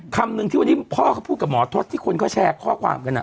คำหนึ่งที่วันนี้พ่อเขาพูดกับหมอทศที่คนเขาแชร์ข้อความกัน